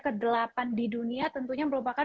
kedelapan di dunia tentunya merupakan